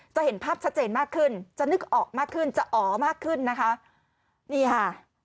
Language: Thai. เห็นภาพชัดเจนมากขึ้นจะนึกออกมากขึ้นจะอ๋อมากขึ้นนะคะนี่ค่ะ